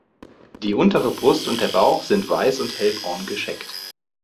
Die untere Brust und der Bauch sind weiß und hellbraun gescheckt.